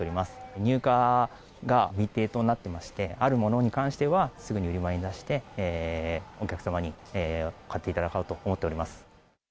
入荷が未定となってまして、あるものに関しては、すぐに売り場に出して、お客様に買っていただこうと思っております。